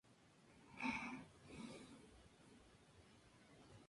Su carrera tuvo un buen ritmo hasta la llegada del cine sonoro.